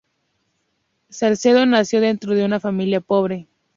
Salcedo nació dentro de una familia pobre.